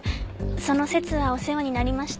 その節はお世話になりました。